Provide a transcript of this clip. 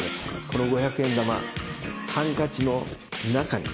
この五百円玉ハンカチの中に。